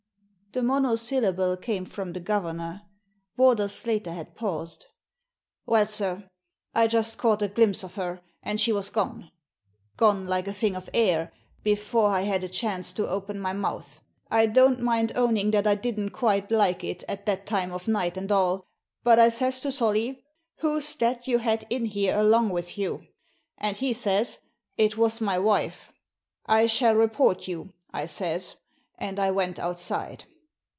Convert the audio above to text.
The monosyllable came from the governor. Warder Slater had paused. " Well, sir, I just caught a glimpse of her, and she was gone — gone like a thing of air, before I had a chance to open my mouth. I don't mind owning that I didn't quite like it, at that time of night, and all; but I says to Solly, 'Who's that you had in here along with you?' And he says, 'It was my wife.* ' I shall report you,' I says, and I went outside."